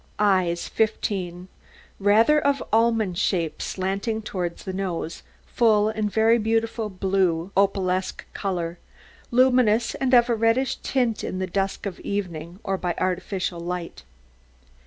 EYES 15 Rather of almond shape, slanting towards the nose, full and of a very beautiful blue opalesque colour, luminous and of a reddish tint in the dusk of evening or by artificial light.